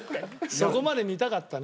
そこまで見たかったね。